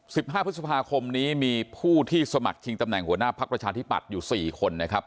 ห้าพฤษภาคมนี้มีผู้ที่สมัครชิงตำแหน่งหัวหน้าพักประชาธิปัตย์อยู่สี่คนนะครับ